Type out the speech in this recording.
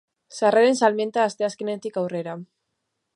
Sarreren salmenta asteazkenetik aurrera.